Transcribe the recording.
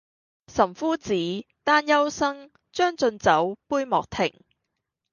岑夫子，丹丘生，將進酒，杯莫停